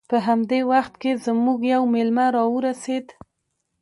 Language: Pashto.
په همدې وخت کې زموږ یو میلمه راورسید